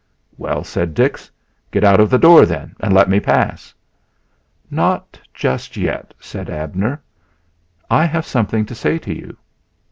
"Well," cried Dix, "get out of the door then and let me pass!" "Not just yet," said Abner; "I have something to say to you."